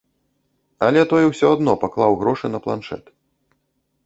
Але той усё адно паклаў грошы на планшэт.